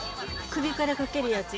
首からかけるやつ。